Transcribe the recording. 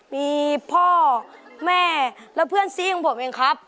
มีพ่อแม่และเพื่อนซีของผมเองครับ